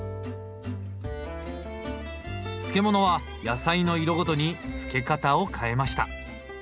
漬物は野菜の色ごとに漬け方を変えました。